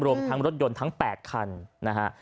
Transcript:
รวมทั้งรถยนต์ทั้ง๘คันนะฮะ